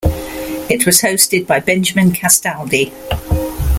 It was hosted by Benjamin Castaldi.